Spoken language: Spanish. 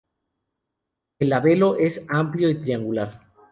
El labelo es amplio y triangular.